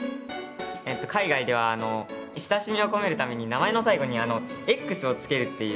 海外では親しみを込めるために名前の最後に「Ｘ」をつけるっていうことを習ったんですよ。